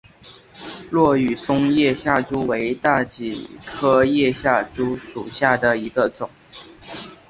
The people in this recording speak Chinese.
落羽松叶下珠为大戟科叶下珠属下的一个种。